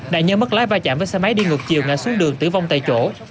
đại nhân mất lái va chạm với xe máy đi ngược chiều ngả xuống đường tử vong tại chỗ